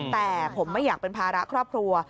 แต่ผมไม่อยากเป็นภาระครอบครัว